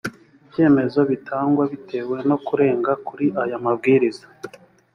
ibyemezo bitangwa bitewe no kurenga kuri aya mabwiriza